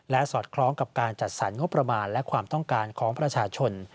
สอดคล้องกับการจัดสรรงบประมาณและความต้องการของประชาชน